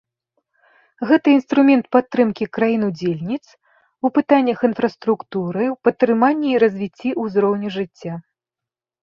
Гэта інструмент падтрымкі краін-удзельніц у пытаннях інфраструктуры, у падтрыманні і развіцці ўзроўню жыцця.